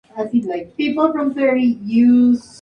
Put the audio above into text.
Tampoco existen restaurantes.